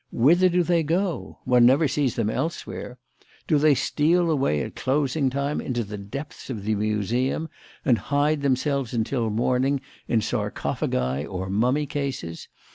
Whither do they go? One never sees them elsewhere. Do they steal away at closing time into the depths of the Museum and hide themselves until morning in sarcophagi or mummy cases?